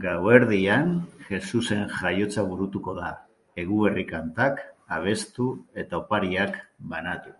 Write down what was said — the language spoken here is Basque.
Gauerdian, Jesusen jaiotza burutuko da, Eguberri-kantak abestu eta opariak banatu.